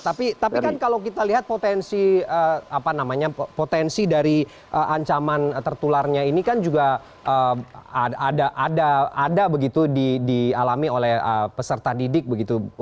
tapi kan kalau kita lihat potensi dari ancaman tertularnya ini kan juga ada begitu dialami oleh peserta didik begitu